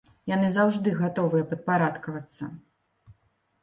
Яны заўжды гатовыя падпарадкавацца.